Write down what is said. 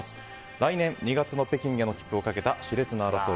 来年２月の北京への切符をかけた熾烈な争い。